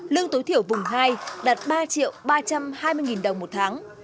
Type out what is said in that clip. lương tối thiểu vùng hai đạt ba triệu ba trăm hai mươi nghìn đồng một tháng